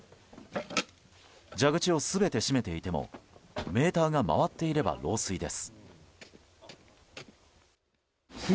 蛇口を全て閉めていてもメーターが回っていれば漏水です。